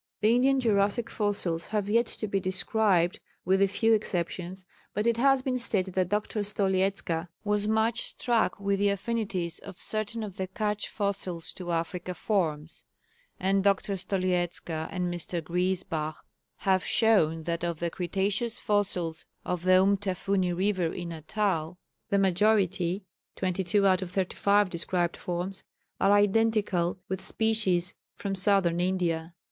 The Indian Jurassic fossils have yet to be described (with a few exceptions), but it has been stated that Dr. Stoliezka was much struck with the affinities of certain of the Cutch fossils to African forms; and Dr. Stoliezka and Mr. Griesbach have shown that of the Cretaceous fossils of the Umtafuni river in Natal, the majority (22 out of 35 described forms) are identical with species from Southern India.